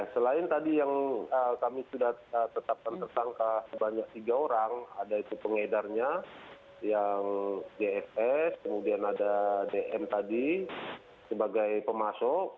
selain tadi yang kami sudah tetapkan tersangka sebanyak tiga orang ada itu pengedarnya yang jfs kemudian ada dm tadi sebagai pemasok